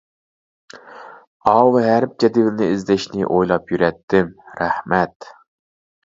ئاۋۇ ھەرپ جەدۋىلىنى ئىزدەشنى ئويلاپ يۈرەتتىم، رەھمەت.